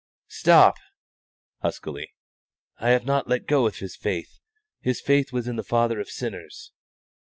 "Stop!" (huskily). "I have not let go of His faith. His faith was in the Father of sinners."